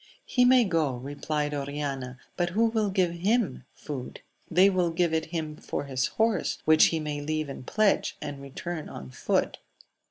He may go, replied Oriana, but who will give him food ?— They will give it him for his horse, which he may leave in pledge, and return oh foot.